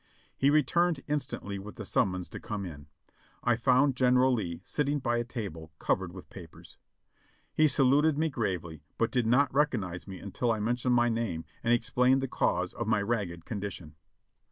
He returned instantly with the summons to come in. I found General Lee sitting by a table covered with papers. He saluted me gravely, but did not recognize me until I men tioned my name and explained the cause of my ragged condition.